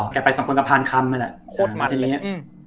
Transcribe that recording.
แกไป๒คนก็พันคำเลยแหละ